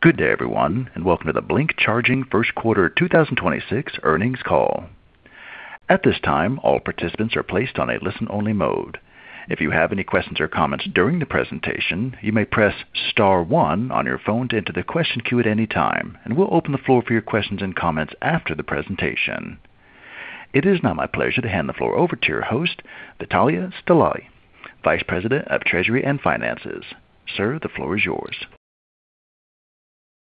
Good day, everyone. Welcome to the Blink Charging First Quarter 2026 Earnings Call. It is now my pleasure to hand the floor over to your host, Vitalie Stelea, vice president of treasury and finances. Sir, the floor is yours.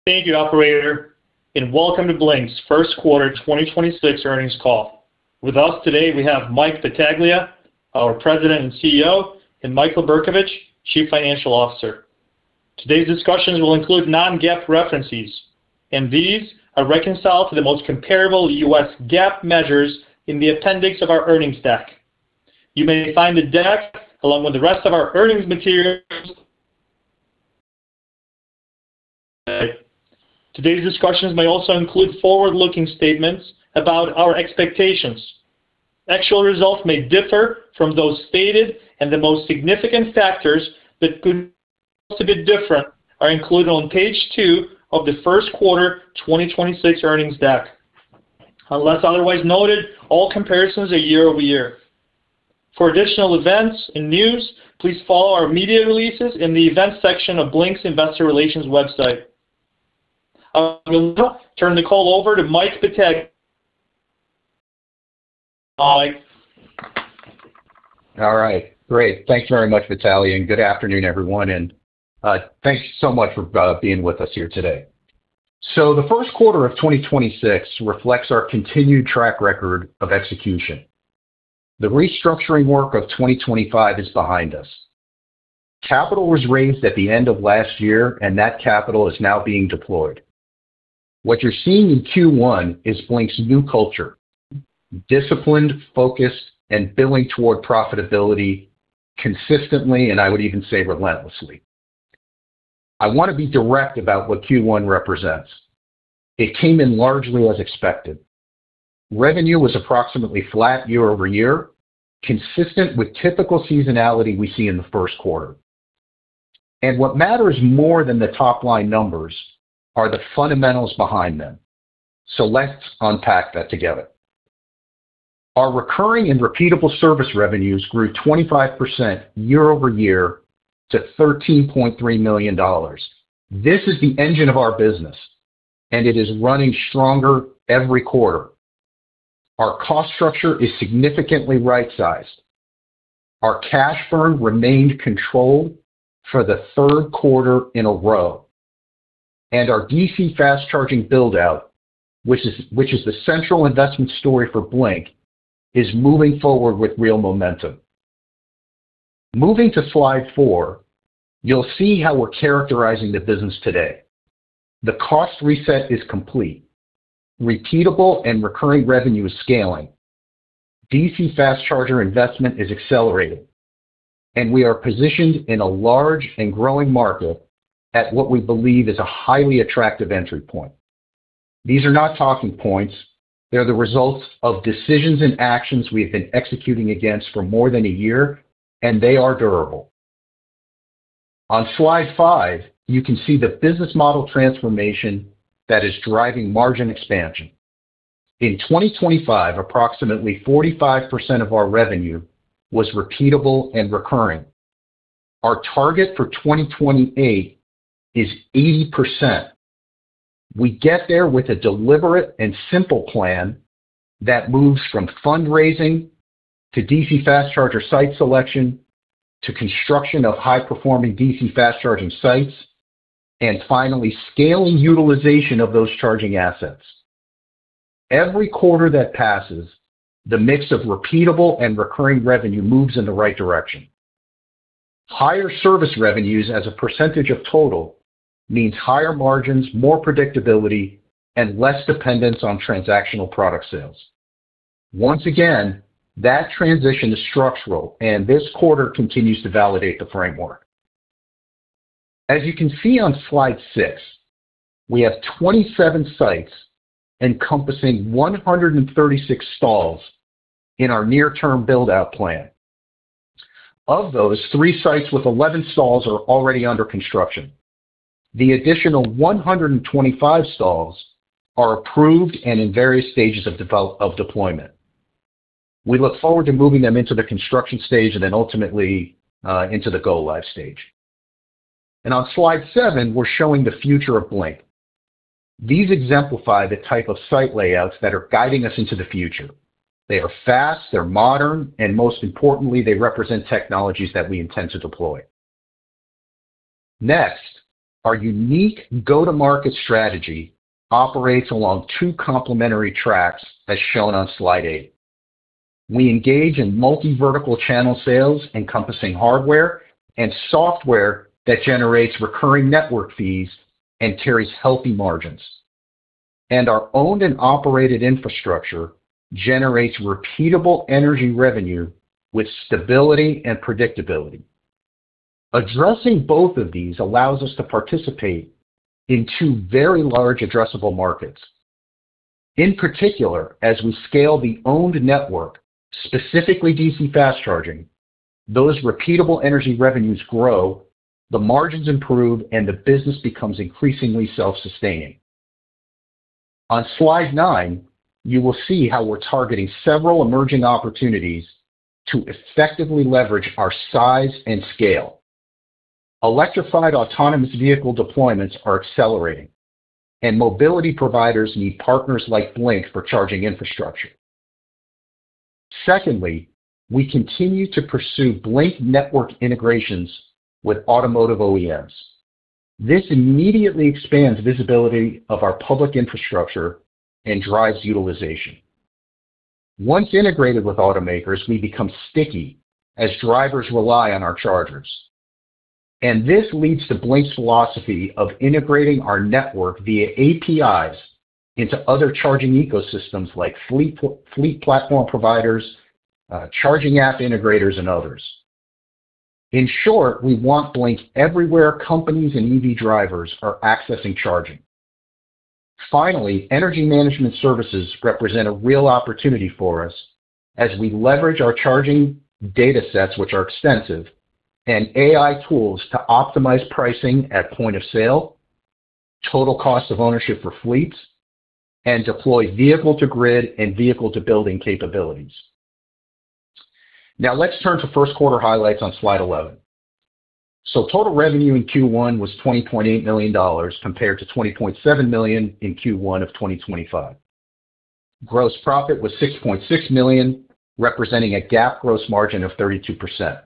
Thank you, operator, and welcome to Blink's First Quarter 2026 earnings call. With us today, we have Mike Battaglia, our president and CEO, and Michael Bercovich, chief financial officer. Today's discussions will include non-GAAP references, and these are reconciled to the most comparable US GAAP measures in the appendix of our earnings deck. You may find the deck along with the rest of our earnings materials. Today's discussions may also include forward-looking statements about our expectations. Actual results may differ from those stated, and the most significant factors that could be different are included on page two of the First Quarter 2026 earnings deck. Unless otherwise noted, all comparisons are year-over-year. For additional events and news, please follow our media releases in the events section of Blink's Investor Relations website. I will now turn the call over to Mike Battaglia. Mike. All right. Great. Thanks very much, Vitalie. Good afternoon, everyone. Thanks so much for being with us here today. The first quarter of 2026 reflects our continued track record of execution. The restructuring work of 2025 is behind us. Capital was raised at the end of last year, and that capital is now being deployed. What you're seeing in Q1 is Blink's new culture, disciplined, focused, and billing toward profitability consistently, and I would even say relentlessly. I want to be direct about what Q1 represents. It came in largely as expected. Revenue was approximately flat year-over-year, consistent with typical seasonality we see in the first quarter. What matters more than the top-line numbers are the fundamentals behind them. Let's unpack that together. Our recurring and repeatable service revenues grew 25% year-over-year to $13.3 million. This is the engine of our business, and it is running stronger every quarter. Our cost structure is significantly right-sized. Our cash burn remained controlled for the third quarter in a row. Our DC fast charging build-out, which is the central investment story for Blink, is moving forward with real momentum. Moving to slide four, you'll see how we're characterizing the business today. The cost reset is complete. Repeatable and recurring revenue is scaling. DC fast charger investment is accelerating. We are positioned in a large and growing market at what we believe is a highly attractive entry point. These are not talking points. They're the results of decisions and actions we have been executing against for more than a year, and they are durable. On slide five, you can see the business model transformation that is driving margin expansion. In 2025, approximately 45% of our revenue was repeatable and recurring. Our target for 2028 is 80%. We get there with a deliberate and simple plan that moves from fundraising to DC fast charger site selection to construction of high-performing DC fast-charging sites and, finally, scaling utilization of those charging assets. Every quarter that passes, the mix of repeatable and recurring revenue moves in the right direction. Higher service revenues as a percentage of total means higher margins, more predictability, and less dependence on transactional product sales. Once again, that transition is structural, and this quarter continues to validate the framework. As you can see on slide six, we have 27 sites encompassing 136 stalls in our near-term build-out plan. Of those, three sites with 11 stalls are already under construction. The additional 125 stalls are approved and in various stages of deployment. We look forward to moving them into the construction stage and then ultimately into the go-live stage. On slide seven, we're showing the future of Blink. These exemplify the type of site layouts that are guiding us into the future. They are fast, they're modern, and most importantly, they represent technologies that we intend to deploy. Next, our unique go-to-market strategy operates along two complementary tracks, as shown on slide eight. We engage in multi-vertical channel sales encompassing hardware and software that generates recurring network fees and carries healthy margins. Our owned and operated infrastructure generates repeatable energy revenue with stability and predictability. Addressing both of these allows us to participate in two very large addressable markets. In particular, as we scale the owned network, specifically DC fast charging, those repeatable energy revenues grow, the margins improve, and the business becomes increasingly self-sustaining. On slide nine, you will see how we're targeting several emerging opportunities to effectively leverage our size and scale. Electrified autonomous vehicle deployments are accelerating, and mobility providers need partners like Blink for charging infrastructure. Secondly, we continue to pursue Blink Network integrations with automotive OEMs. This immediately expands visibility of our public infrastructure and drives utilization. Once integrated with automakers, we become sticky as drivers rely on our chargers. This leads to Blink's philosophy of integrating our network via APIs into other charging ecosystems like fleet platform providers, charging app integrators, and others. In short, we want Blink everywhere companies and EV drivers are accessing charging. Finally, energy management services represent a real opportunity for us as we leverage our charging datasets, which are extensive, and AI tools to optimize pricing at point of sale, total cost of ownership for fleets, and deploy vehicle-to-grid and vehicle-to-building capabilities. Let's turn to first quarter highlights on slide 11. Total revenue in Q1 was $20.8 million compared to $20.7 million in Q1 of 2025. Gross profit was $6.6 million, representing a GAAP gross margin of 32%.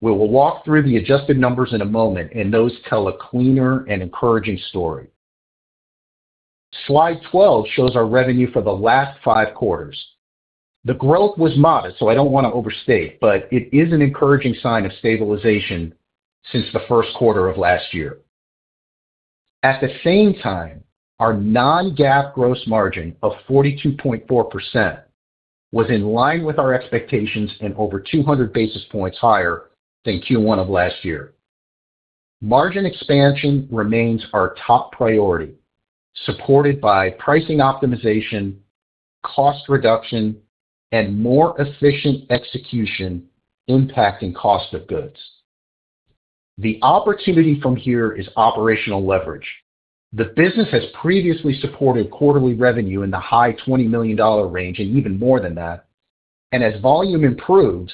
We will walk through the adjusted numbers in a moment, and those tell a cleaner and encouraging story. Slide 12 shows our revenue for the last five quarters. The growth was modest, so I don't want to overstate, but it is an encouraging sign of stabilization since the first quarter of last year. At the same time, our non-GAAP gross margin of 42.4% was in line with our expectations and over 200 basis points higher than Q1 of last year. Margin expansion remains our top priority, supported by pricing optimization, cost reduction, and more efficient execution impacting cost of goods. The opportunity from here is operational leverage. The business has previously supported quarterly revenue in the high $20 million range and even more than that. As volume improves,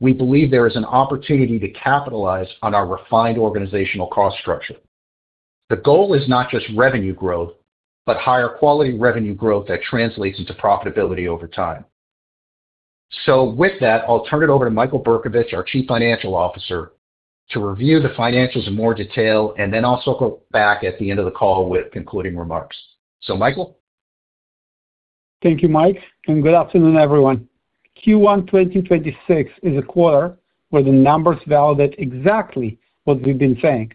we believe there is an opportunity to capitalize on our refined organizational cost structure. The goal is not just revenue growth but higher-quality revenue growth that translates into profitability over time. With that, I'll turn it over to Michael Bercovich, our chief financial officer, to review the financials in more detail and then also go back at the end of the call with concluding remarks. Michael. Thank you, Mike, and good afternoon, everyone. Q1 2026 is a quarter where the numbers validate exactly what we've been saying.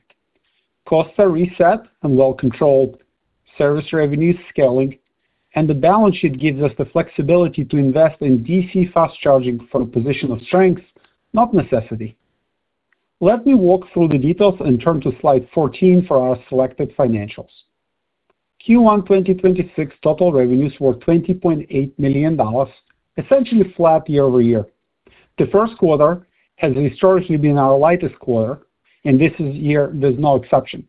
Costs are reset and well controlled, service revenue is scaling, and the balance sheet gives us the flexibility to invest in DC fast charging from a position of strength, not necessity. Let me walk through the details and turn to slide 14 for our selected financials. Q1 2026 total revenues were $20.8 million, essentially flat year-over-year. The first quarter has historically been our lightest quarter, and this year there's no exception.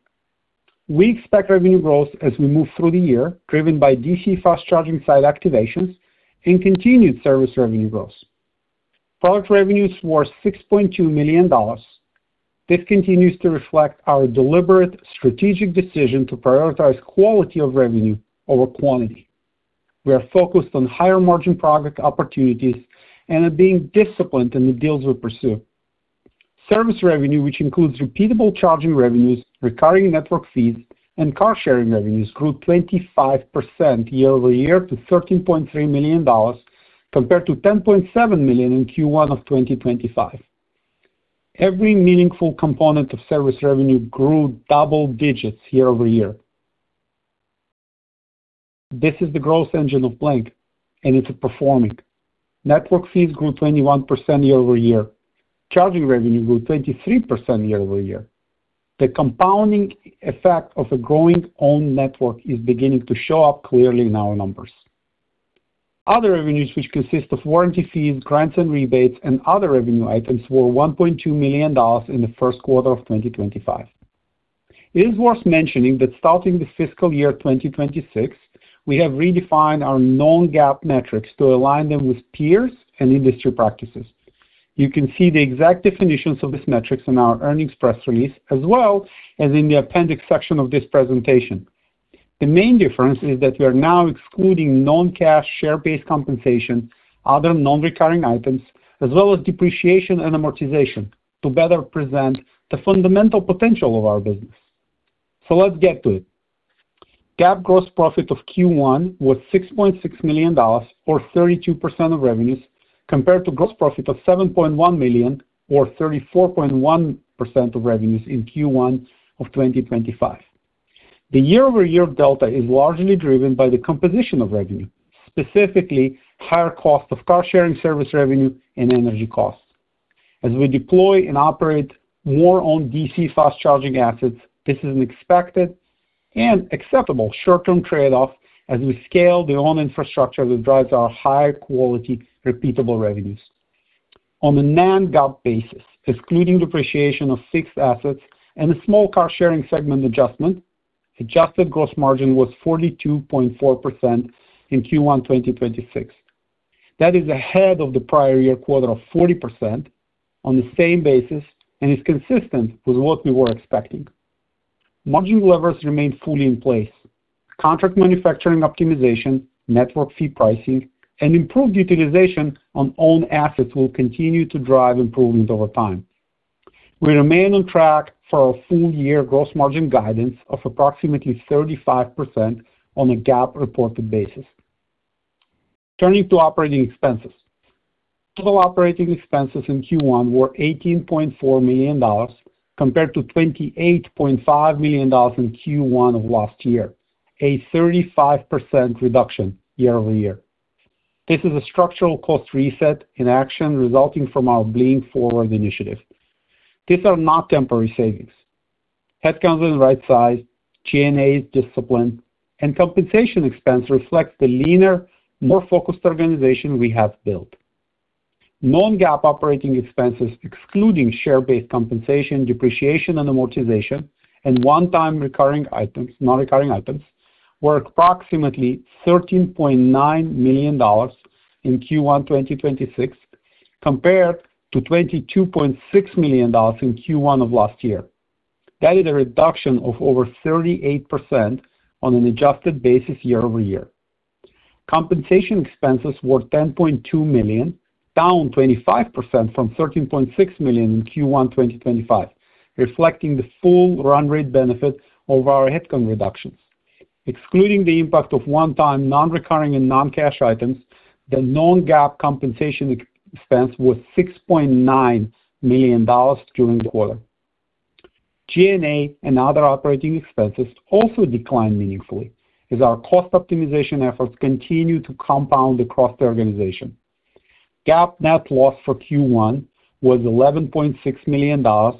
We expect revenue growth as we move through the year, driven by DC fast charging site activations and continued service revenue growth. Product revenues were $6.2 million. This continues to reflect our deliberate strategic decision to prioritize quality of revenue over quantity. We are focused on higher-margin product opportunities and are being disciplined in the deals we pursue. Service revenue, which includes repeatable charging revenues, recurring network fees, and car-sharing revenues, grew 25% year-over-year to $13.3 million compared to $10.7 million in Q1 of 2025. Every meaningful component of service revenue grew double digits year-over-year. This is the growth engine of Blink, and it's performing. Network fees grew 21% year-over-year. Charging revenue grew 23% year-over-year. The compounding effect of a growing owned network is beginning to show up clearly in our numbers. Other revenues, which consist of warranty fees, grants and rebates, and other revenue items, were $1.2 million in the first quarter of 2025. It is worth mentioning that starting the fiscal year 2026, we have redefined our non-GAAP metrics to align them with peers and industry practices. You can see the exact definitions of these metrics in our earnings press release, as well as in the appendix section of this presentation. The main difference is that we are now excluding non-cash share-based compensation, other non-recurring items, as well as depreciation and amortization, to better present the fundamental potential of our business. Let's get to it. GAAP gross profit of Q1 was $6.6 million, or 32% of revenues, compared to gross profit of $7.1 million, or 34.1% of revenues in Q1 of 2025. The year-over-year delta is largely driven by the composition of revenue, specifically higher cost of car-sharing service revenue and energy costs. As we deploy and operate more on DC fast charging assets, this is an expected and acceptable short-term trade-off as we scale their own infrastructure that drives our high-quality, repeatable revenues. On a non-GAAP basis, excluding depreciation of fixed assets and a small car-sharing segment adjustment, adjusted gross margin was 42.4% in Q1 2026. That is ahead of the prior year quarter of 40% on the same basis and is consistent with what we were expecting. Margin levers remain fully in place. Contract manufacturing optimization, network fee pricing, and improved utilization on owned assets will continue to drive improvements over time. We remain on track for our full-year gross margin guidance of approximately 35% on a GAAP reported basis. Turning to operating expenses. Total operating expenses in Q1 were $18.4 million compared to $28.5 million in Q1 of last year, a 35% reduction year-over-year. This is a structural cost reset in action resulting from our BlinkForward initiative. These are not temporary savings. Headcount has been right-sized, G&A is disciplined, and compensation expense reflects the leaner, more focused organization we have built. Non-GAAP operating expenses, excluding share-based compensation, depreciation and amortization, and non-recurring items, were approximately $13.9 million in Q1 2026 compared to $22.6 million in Q1 of last year. That is a reduction of over 38% on an adjusted basis year-over-year. Compensation expenses were $10.2 million, down 25% from $13.6 million in Q1 2025, reflecting the full run rate benefit of our headcount reductions. Excluding the impact of one-time non-recurring and non-cash items, the non-GAAP compensation expense was $6.9 million during the quarter. G&A and other operating expenses also declined meaningfully as our cost optimization efforts continue to compound across the organization. GAAP net loss for Q1 was $11.6 million, or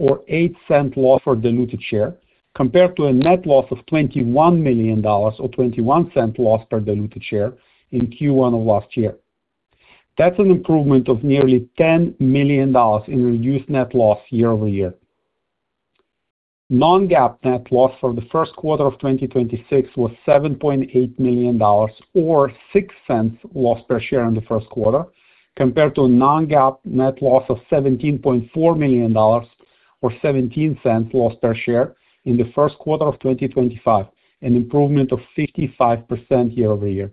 $0.08 loss per diluted share, compared to a net loss of $21 million, or $0.21 loss per diluted share, in Q1 of last year. That's an improvement of nearly $10 million in reduced net loss year-over-year. Non-GAAP net loss for the first quarter of 2026 was $7.8 million or $0.06 loss per share in the first quarter, compared to a non-GAAP net loss of $17.4 million or $0.17 loss per share in the first quarter of 2025, an improvement of 55% year-over-year.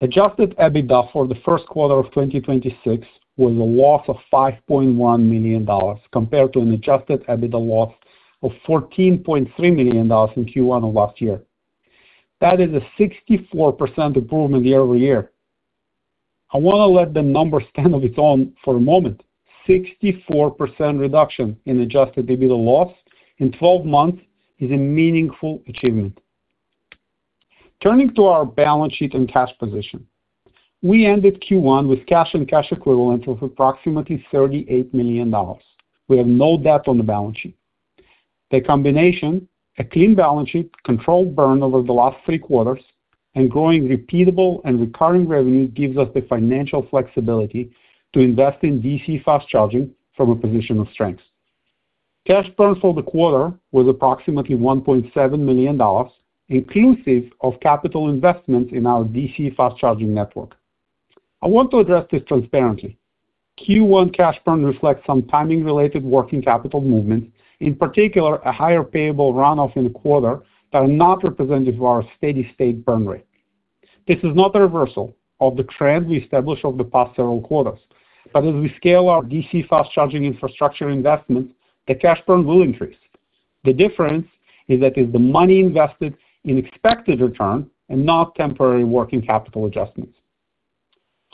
Adjusted EBITDA for the first quarter of 2026 was a loss of $5.1 million, compared to an adjusted EBITDA loss of $14.3 million in Q1 of last year. That is a 64% improvement year-over-year. I wanna let the number stand on its own for a moment. 64% reduction in adjusted EBITDA loss in 12 months is a meaningful achievement. Turning to our balance sheet and cash position. We ended Q1 with cash and cash equivalents of approximately $38 million. We have no debt on the balance sheet. The combination, a clean balance sheet, controlled burn over the last three quarters, and growing repeatable and recurring revenue gives us the financial flexibility to invest in DC fast charging from a position of strength. Cash burn for the quarter was approximately $1.7 million, inclusive of capital investment in our DC fast charging network. I want to address this transparently. Q1 cash burn reflects some timing-related working capital movements, in particular, a higher payable runoff in the quarter that are not representative of our steady-state burn rate. This is not a reversal of the trend we established over the past several quarters. As we scale our DC fast charging infrastructure investment, the cash burn will increase. The difference is that it's the money invested in expected return and not temporary working capital adjustments.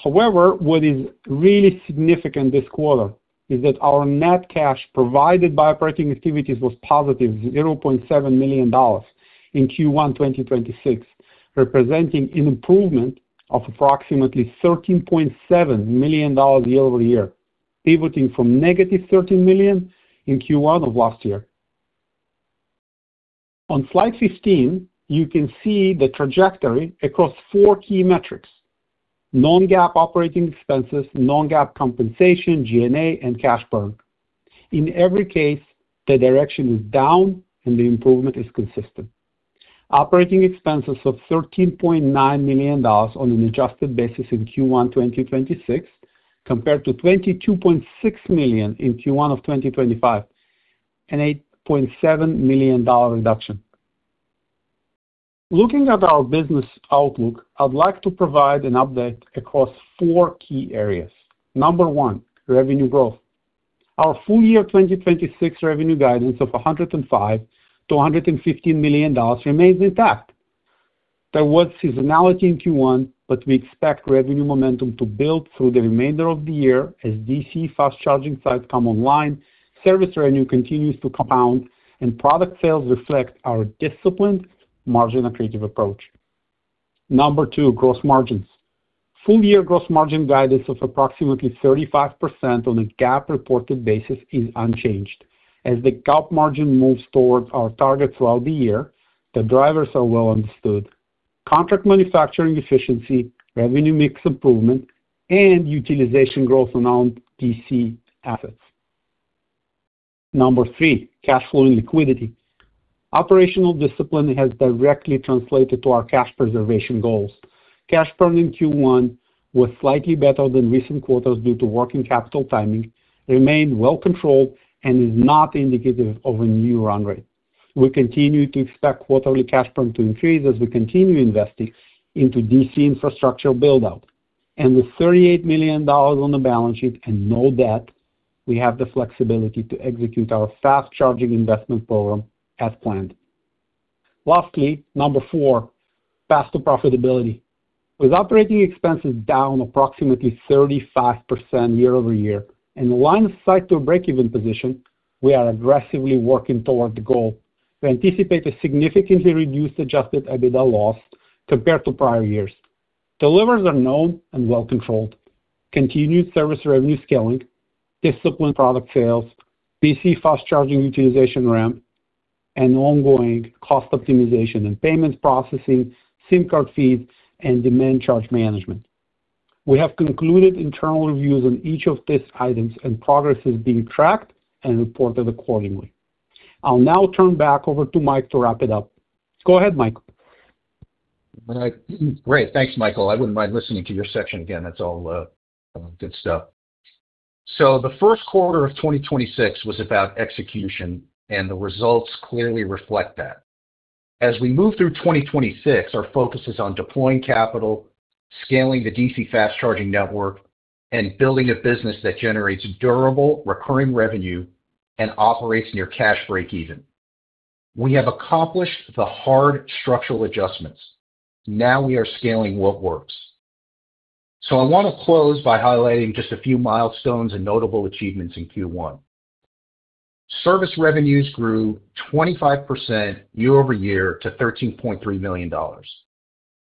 What is really significant this quarter is that our net cash provided by operating activities was positive $0.7 million in Q1 2026, representing an improvement of approximately $13.7 million year-over-year, pivoting from negative $13 million in Q1 of last year. On slide 15, you can see the trajectory across four key metrics: non-GAAP operating expenses, non-GAAP compensation, G&A, and cash burn. In every case, the direction is down and the improvement is consistent. Operating expenses of $13.9 million on an adjusted basis in Q1 2026 compared to $22.6 million in Q1 of 2025, an $8.7 million reduction. Looking at our business outlook, I'd like to provide an update across four key areas. Number one, revenue growth. Our full year 2026 revenue guidance of $105 million-$115 million remains intact. We expect revenue momentum to build through the remainder of the year as DC fast charging sites come online, service revenue continues to compound, and product sales reflect our disciplined margin and creative approach. Number two, gross margins. Full-year gross margin guidance of approximately 35% on a GAAP reported basis is unchanged. The GAAP margin moves towards our target throughout the year, the drivers are well understood. Contract manufacturing efficiency, revenue mix improvement, and utilization growth around DC assets. Number three, cash flow and liquidity. Operational discipline has directly translated to our cash preservation goals. Cash burn in Q1 was slightly better than recent quarters due to working capital timing, remained well controlled, and is not indicative of a new run rate. With $38 million on the balance sheet and no debt, we have the flexibility to execute our fast-charging investment program as planned. Lastly, number 4, path to profitability. With operating expenses down approximately 35% year-over-year and one site to a break-even position, we are aggressively working toward the goal to anticipate a significantly reduced adjusted EBITDA loss compared to prior years. The levers are known and well controlled. Continued service revenue scaling, disciplined product sales, DC fast-charging utilization ramp, and ongoing cost optimization, payments processing, SIM card fees, and demand charge management. We have concluded internal reviews on each of these items, and progress is being tracked and reported accordingly. I'll now turn back over to Mike to wrap it up. Go ahead, Mike. All right. Great. Thanks, Michael. I wouldn't mind listening to your section again. That's all good stuff. The first quarter of 2026 was about execution, and the results clearly reflect that. As we move through 2026, our focus is on deploying capital, scaling the DC fast-charging network, and building a business that generates durable recurring revenue and operates near cash breakeven. We have accomplished the hard structural adjustments. Now we are scaling what works. I wanna close by highlighting just a few milestones and notable achievements in Q1. Service revenues grew 25% year-over-year to $13.3 million.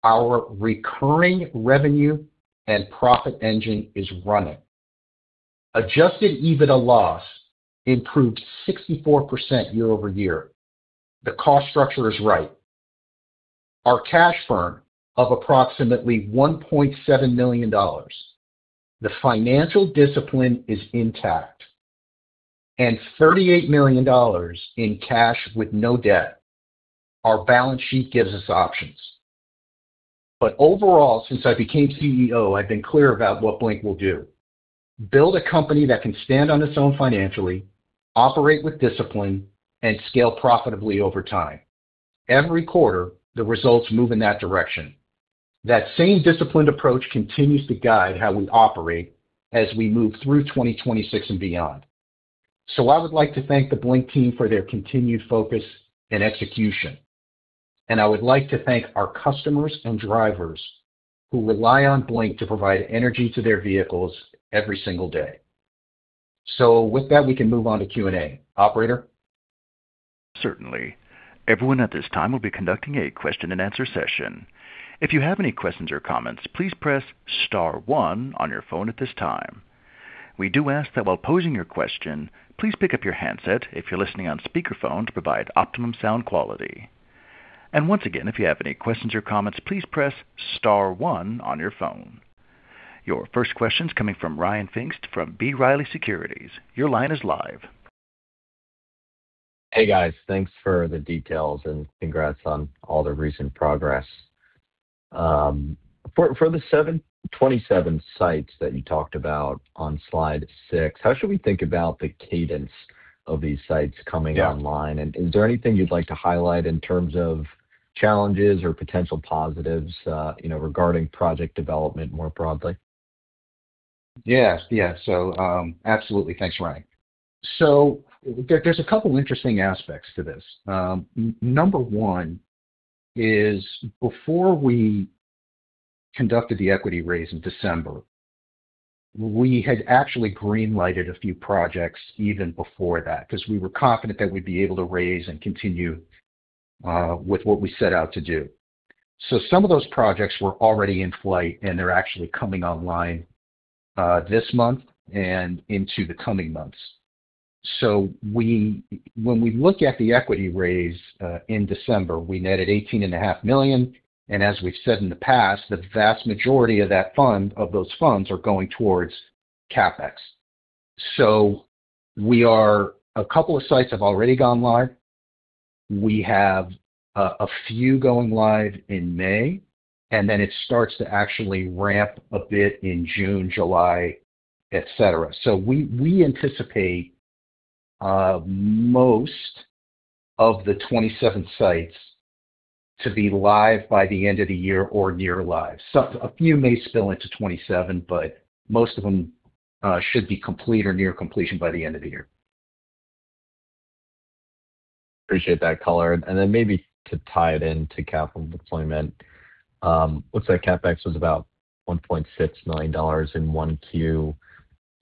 Our recurring revenue and profit engine is running. Adjusted EBITDA loss improved 64% year-over-year. The cost structure is right. Our cash burn of approximately $1.7 million, the financial discipline is intact. 38 million dollars in cash with no debt, our balance sheet gives us options. Overall, since I became CEO, I've been clear about what Blink will do. Build a company that can stand on its own financially, operate with discipline, and scale profitably over time. Every quarter, the results move in that direction. That same disciplined approach continues to guide how we operate as we move through 2026 and beyond. I would like to thank the Blink team for their continued focus and execution. I would like to thank our customers and drivers who rely on Blink to provide energy to their vehicles every single day. With that, we can move on to Q&A. Operator? Certainly. Everyone at this time will be conducting a question-and-answer session. If you have any questions or comments, please press star one on your phone at this time. We do ask that while posing your question, please pick up your handset if you're listening on speakerphone to provide optimum sound quality. Once again, if you have any questions or comments, please press star one on your phone. Your first question's coming from Ryan Pfingst from B. Riley Securities. Your line is live. Hey, guys. Thanks for the details and congrats on all the recent progress. For the 27 sites that you talked about on slide six, how should we think about the cadence of these sites coming online? Is there anything you'd like to highlight in terms of challenges or potential positives, you know, regarding project development more broadly? Yes. Yeah. Absolutely. Thanks, Ryan. There's a couple of interesting aspects to this. Number one is before we conducted the equity raise in December, we had actually green-lighted a few projects even before that, 'cause we were confident that we'd be able to raise and continue with what we set out to do. Some of those projects were already in flight, and they're actually coming online this month and into the coming months. When we look at the equity raise in December, we netted $18.5 million. And as we've said in the past, the vast majority of those funds are going towards CapEx. Two sites have already gone live. We have a few going live in May. It starts to actually ramp a bit in June, July, et cetera. We anticipate most of the 27 sites to be live by the end of the year or near live. A few may spill into 2027. Most of them should be complete or near completion by the end of the year. Appreciate that color. Maybe to tie it into capital deployment. Looks like CapEx was about $1.6 million in 1Q.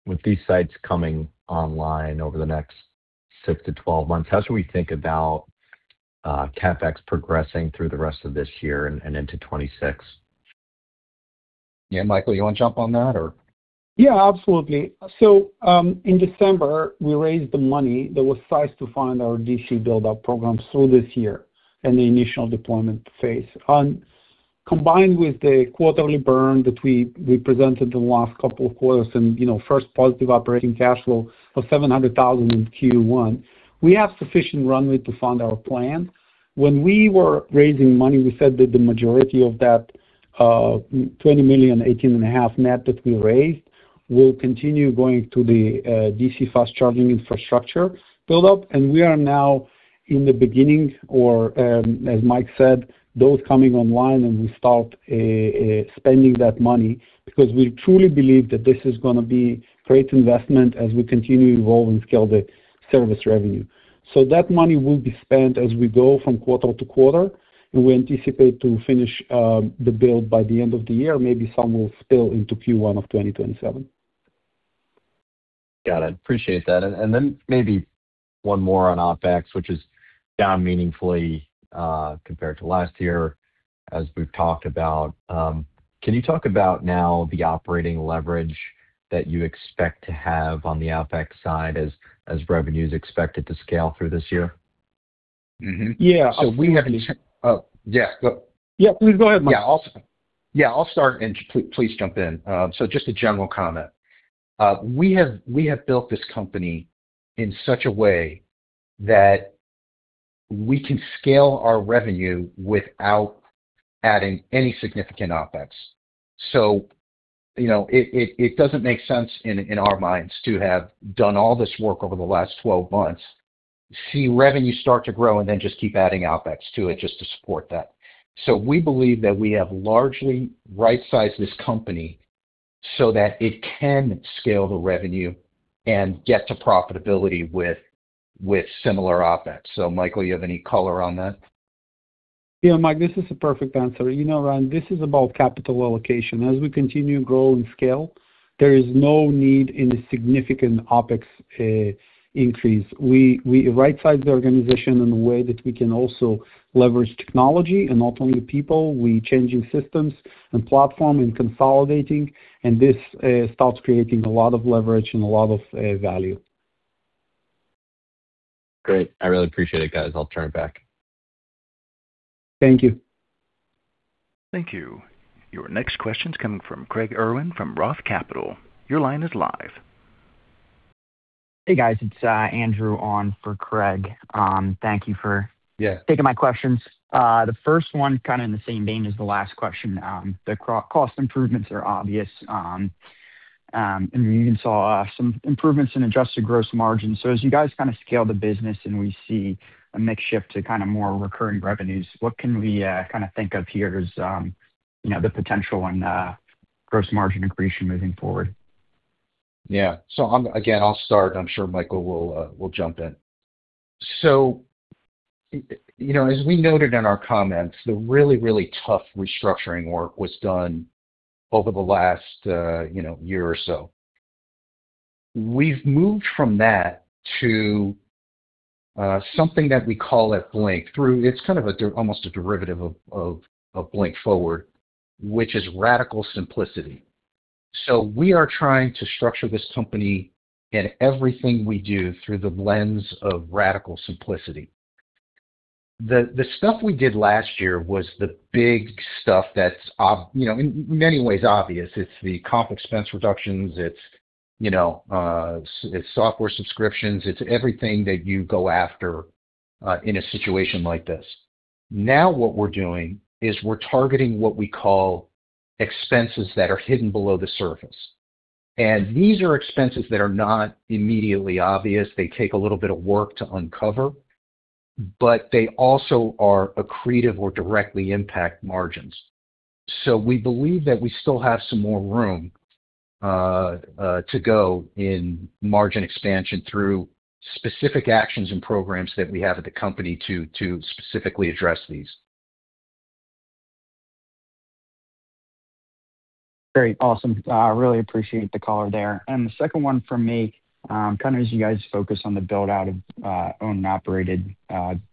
With these sites coming online over the next 6-12 months. How should we think about CapEx progressing through the rest of this year and into 2026? Yeah, Michael, you wanna jump on that or? Absolutely. In December, we raised the money that was sized to fund our DC build-up program through this year and the initial deployment phase. Combined with the quarterly burn that we presented the last couple of quarters and, first positive operating cash flow of $700,000 in Q1. We have sufficient runway to fund our plan. When we were raising money, we said that the majority of that $20 million, $18 and a half net that we raised will continue going to the DC fast charging infrastructure build-up. We are now in the beginning or, as Mike said, those coming online and we start spending that money because we truly believe that this is gonna be great investment as we continue to evolve and scale the service revenue. That money will be spent as we go from quarter to quarter, and we anticipate to finish the build by the end of the year, maybe some will spill into Q1 of 2027. Got it. Appreciate that. Then maybe one more on OpEx, which is down meaningfully compared to last year, as we've talked about. Can you talk about now the operating leverage that you expect to have on the OpEx side as revenue is expected to scale through this year? Yeah. So we have- Absolutely. Oh, yeah. Go. Yeah, please go ahead, Mike. I'll start and please jump in. Just a general comment. We have built this company in such a way that we can scale our revenue without adding any significant OpEx. You know, it doesn't make sense in our minds to have done all this work over the last 12 months, see revenue start to grow, and then just keep adding OpEx to it just to support that. We believe that we have largely right-sized this company so that it can scale the revenue and get to profitability with similar OpEx. Michael, you have any color on that? Yeah, Mike, this is a perfect answer. You know, Ryan, this is about capital allocation. As we continue to grow and scale, there is no need in a significant OpEx increase. We right-size the organization in a way that we can also leverage technology and not only people. We changing systems and platform and consolidating, and this starts creating a lot of leverage and a lot of value. Great. I really appreciate it, guys. I'll turn it back. Thank you. Thank you. Your next question's coming from Craig Irwin from Roth Capital. Your line is live. Hey, guys. It's Andrew on for Craig. Yeah taking my questions. The first one kinda in the same vein as the last question. The cost improvements are obvious. And we even saw some improvements in adjusted gross margin. As you guys kinda scale the business and we see a mix shift to kinda more recurring revenues, what can we kinda think of here as, you know, the potential and gross margin accretion moving forward? Yeah. Again, I'll start. I'm sure Michael will jump in. You know, as we noted in our comments, the really, really tough restructuring work was done over the last, you know, year or so. We've moved from that to something that we call at Blink, it's kind of almost a derivative of BlinkForward, which is radical simplicity. We are trying to structure this company in everything we do through the lens of radical simplicity. The stuff we did last year was the big stuff that's, you know, in many ways obvious. It's the comp expense reductions. It's, you know, software subscriptions. It's everything that you go after in a situation like this. What we're doing is we're targeting what we call expenses that are hidden below the surface. These are expenses that are not immediately obvious. They take a little bit of work to uncover, but they also are accretive or directly impact margins. We believe that we still have some more room to go in margin expansion through specific actions and programs that we have at the company to specifically address these. Great. Awesome. really appreciate the color there. The second one from me, kinda as you guys focus on the build-out of owned and operated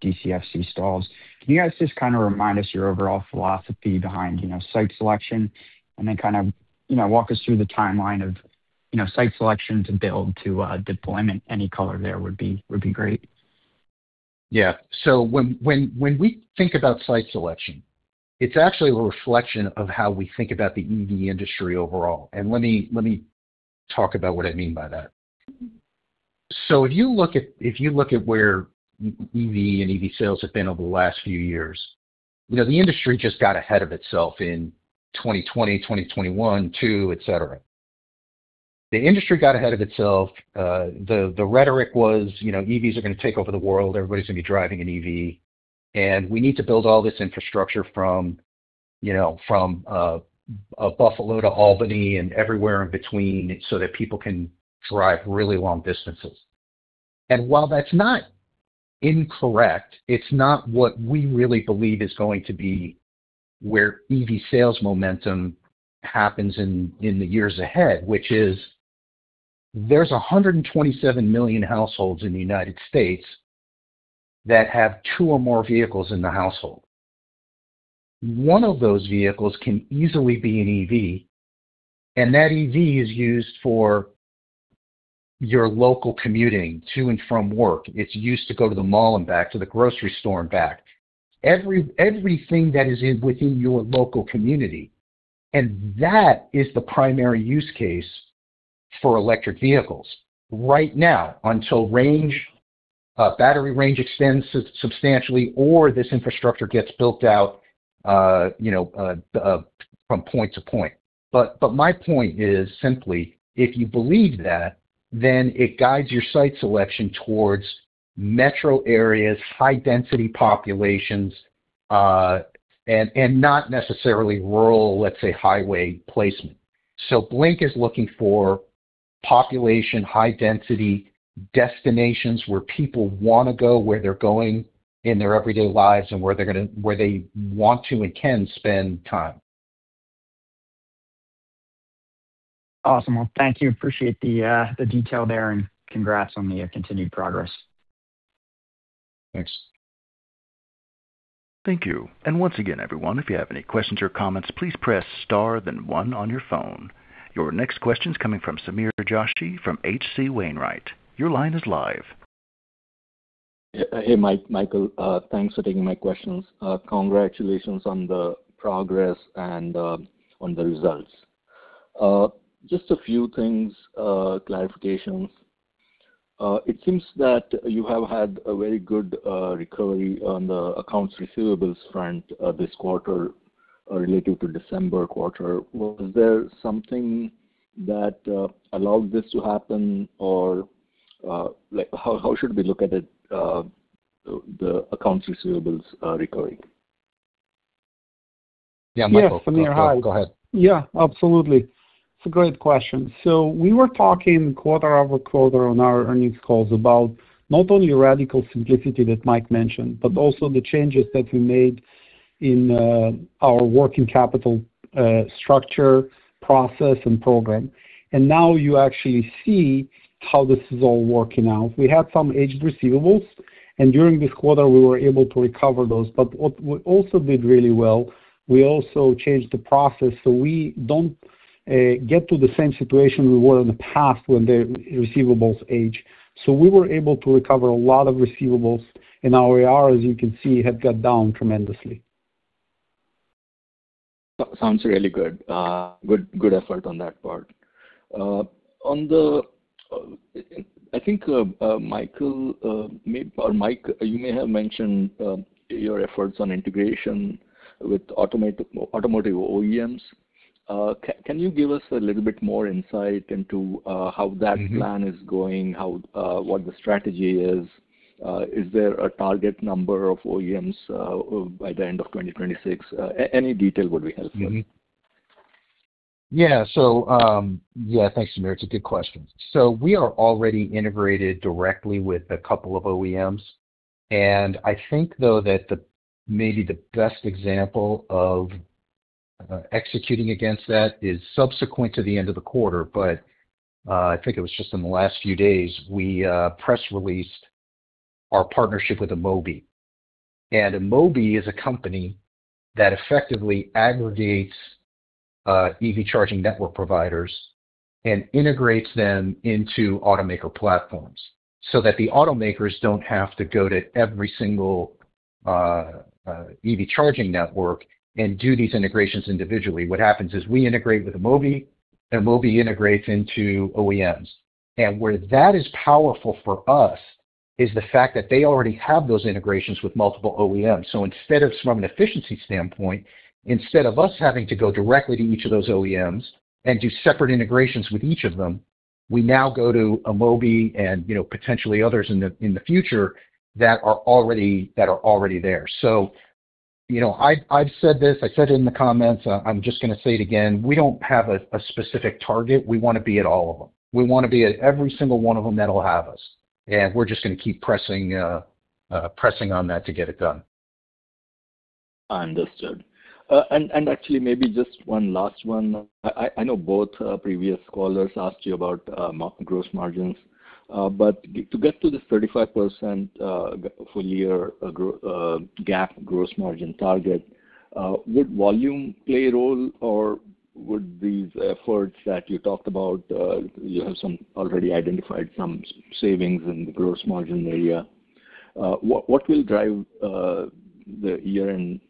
DCFC stalls, can you guys just kinda remind us your overall philosophy behind, you know, site selection, and then kind of, you know, walk us through the timeline of, you know, site selection to build to deployment? Any color there would be would be great. Yeah. When we think about site selection, it's actually a reflection of how we think about the EV industry overall. Let me talk about what I mean by that. If you look at where EV and EV sales have been over the last few years, you know, the industry just got ahead of itself in 2020, 2021, 2, et cetera. The industry got ahead of itself. The rhetoric was, you know, EVs are gonna take over the world, everybody's gonna be driving an EV, and we need to build all this infrastructure from, you know, from Buffalo to Albany and everywhere in between so that people can drive really long distances. While that's not. It's not what we really believe is going to be where EV sales momentum happens in the years ahead, which is there's 127 million households in the United States that have two or more vehicles in the household. One of those vehicles can easily be an EV, and that EV is used for your local commuting to and from work. It's used to go to the mall and back, to the grocery store and back. Everything that is in within your local community. That is the primary use case for electric vehicles right now until range, battery range extends substantially or this infrastructure gets built out, you know, from point to point. My point is simply, if you believe that, then it guides your site selection towards metro areas, high-density populations, and not necessarily rural, let's say, highway placement. Blink is looking for population, high-density destinations where people wanna go, where they're going in their everyday lives, and where they want to and can spend time. Awesome. Well, thank you. Appreciate the detail there, and congrats on the continued progress. Thanks. Thank you. Once again, everyone, if you have any questions or comments, please press star then one on your phone. Your next question's coming from Sameer Joshi from H.C. Wainwright. Your line is live. Hey, Michael. Thanks for taking my questions. Congratulations on the progress and on the results. Just a few things, clarifications. It seems that you have had a very good recovery on the accounts receivable front this quarter, related to December quarter. Was there something that allowed this to happen? Like how should we look at it, the accounts receivables recovery? Yeah, Michael. Yes, Sameer. Hi. Go ahead. Yeah, absolutely. It's a great question. We were talking quarter over quarter on our earnings calls about not only radical simplicity that Mike mentioned but also the changes that we made in our working capital structure, process, and program. Now you actually see how this is all working out. We had some aged receivables, and during this quarter, we were able to recover those. What we also did really well, we also changed the process so we don't get to the same situation we were in the past when the receivables age. We were able to recover a lot of receivables, and our AR, as you can see, have got down tremendously. Sounds really good. Good effort on that part. Michael may or Mike, you may have mentioned your efforts on integration with automotive OEMs. Can you give us a little bit more insight into how that plan is going, how, what the strategy is? Is there a target number of OEMs by the end of 2026? Any detail would be helpful. Yeah. Thanks, Sameer. It's a good question. We are already integrated directly with a couple of OEMs. I think, though, that the best example of executing against that is subsequent to the end of the quarter. I think it was just in the last few days, we press released our partnership with eMobi. Emobi is a company that effectively aggregates EV charging network providers and integrates them into automaker platforms so that the automakers don't have to go to every single EV charging network and do these integrations individually. What happens is we integrate with eMobi integrates into OEMs. Where that is powerful for us is the fact that they already have those integrations with multiple OEMs. Instead of from an efficiency standpoint, instead of us having to go directly to each of those OEMs and do separate integrations with each of them, we now go to Emobi and, you know, potentially others in the future that are already there. I've said this, I said it in the comments, I'm just gonna say it again. We don't have a specific target. We wanna be at all of them. We wanna be at every single one of them that'll have us, and we're just gonna keep pressing on that to get it done. Understood. Actually maybe just one last one. I know both previous callers asked you about gross margins. To get to this 35% full year GAAP gross margin target, would volume play a role, or would these efforts that you talked about, you have some already identified some savings in the gross margin area? What will drive the year-end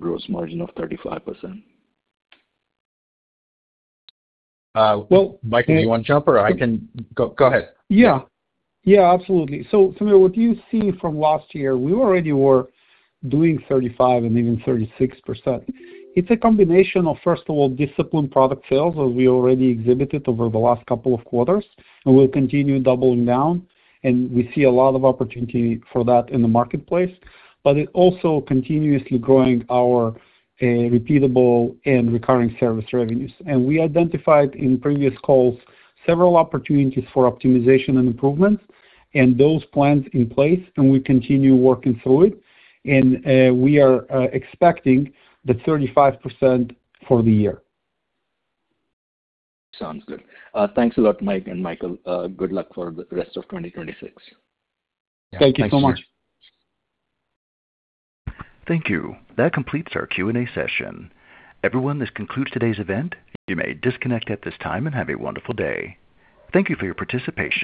gross margin of 35%? Uh, well- Mike, do you wanna jump or I can Go ahead. Yeah, absolutely. Sameer, what you see from last year, we already were doing 35% and even 36%. It's a combination of, first of all, disciplined product sales, as we already exhibited over the last couple of quarters, and we'll continue doubling down, and we see a lot of opportunity for that in the marketplace. It also continuously growing our repeatable and recurring service revenues. We identified in previous calls several opportunities for optimization and improvements, and those plans in place. We continue working through it. We are expecting the 35% for the year. Sounds good. Thanks a lot, Mike and Michael. Good luck for the rest of 2026. Yeah. Thanks. Thank you so much. Thank you. That completes our Q&A session. Everyone, this concludes today's event. You may disconnect at this time and have a wonderful day. Thank you for your participation.